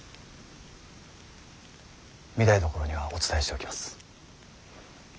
御台所にはお伝えしておきます。